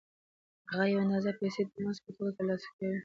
هغه یوه اندازه پیسې د مزد په توګه ترلاسه کوي